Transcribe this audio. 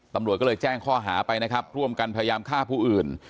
ตำรวจก็เลยแจ้งข้อหาไปนะครับร่วมกันพยายามฆ่าผู้อื่น